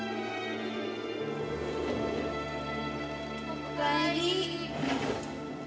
おかえり。